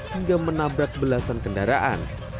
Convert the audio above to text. hingga menabrak belasan kendaraan